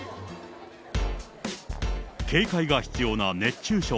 警戒が必要な熱中症。